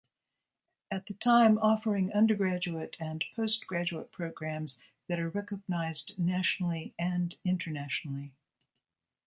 At the time offering undergraduate and postgraduate programs that are recognized nationally and Internationally.